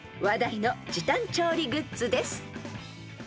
［話題の時短調理グッズです］